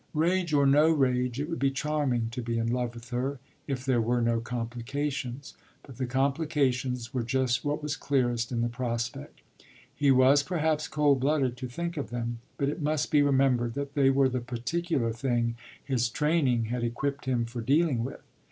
Rage or no rage it would be charming to be in love with her if there were no complications; but the complications were just what was clearest in the prospect. He was perhaps cold blooded to think of them, but it must be remembered that they were the particular thing his training had equipped him for dealing with.